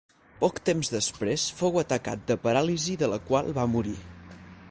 Poc temps després fou atacat de paràlisi de la qual va morir.